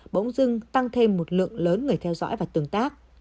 bỗng dưng tăng thêm một lượng lớn người theo dõi và tương tác